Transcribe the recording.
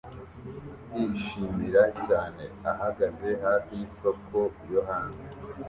kwishimira cyane ahagaze hafi yisoko yo hanze